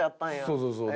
そうそうそう。